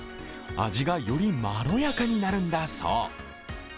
味が、よりまろやかになるんだそう